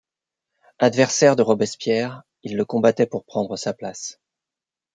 Adversaire de Robespierre, il le combattait pour prendre sa place.